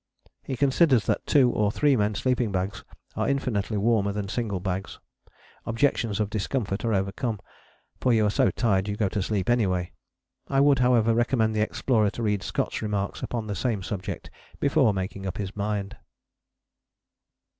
He considers that two or three men sleeping bags are infinitely warmer than single bags: objections of discomfort are overcome, for you are so tired you go to sleep anyway. I would, however, recommend the explorer to read Scott's remarks upon the same subject before making up his mind.